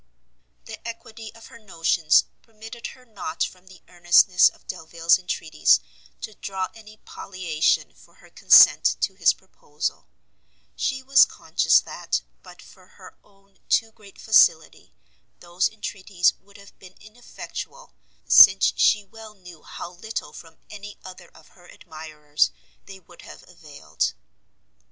The equity of her notions permitted her not from the earnestness of Delvile's entreaties to draw any palliation for her consent to his proposal; she was conscious that but for her own too great facility those entreaties would have been ineffectual, since she well knew how little from any other of her admirers they would have availed.